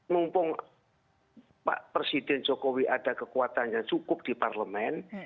mumpung pak presiden jokowi ada kekuatan yang cukup di parlemen